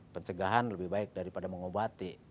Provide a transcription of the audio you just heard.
pencegahan lebih baik daripada mengobati